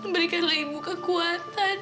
berikanlah ibu kekuatan